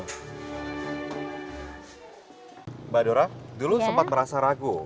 mbak dora dulu sempat merasa ragu